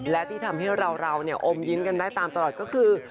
และที่ทำให้เราอมยิ้มกันได้ตามตลอดก็คือ